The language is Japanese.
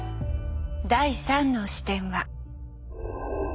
第３の視点は。